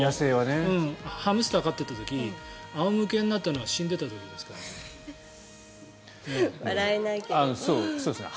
ハムスターを飼っていた時仰向けになったのは死んでた時ですからね。